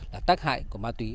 là tác hại của ma túy